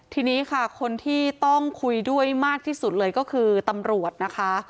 ทีนี้ค่ะคนที่ต้องคุยด้วยมากที่สุดเลยก็คือตำรวจนะคะ